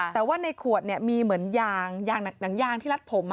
แต่ว่าในขวดมีเหมือนยางหนังยางที่รัดผม